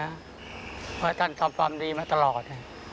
เพราะท่านทำความดีมาตลอด